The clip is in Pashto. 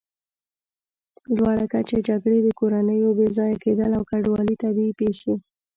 لوړه کچه، جګړې، د کورنیو بېځایه کېدل او کډوالي، طبیعي پېښې